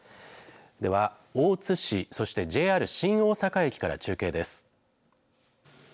では大津市、そしてＪＲ新大阪駅から中継です。